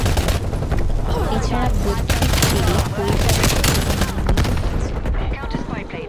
এছাড়া বৈদ্যুতিক ফেরি পরিচালিত এবং নির্মিত হচ্ছে।